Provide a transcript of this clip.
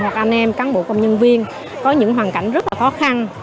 hoặc anh em cán bộ công nhân viên có những hoàn cảnh rất là khó khăn